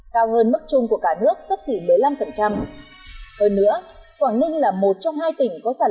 cao hơn mức chung của cả nước sắp xỉ một mươi năm hơn nữa quảng ninh là một trong hai tỉnh có sản